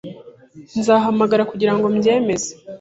Nzahamagara kugirango mbyemeze.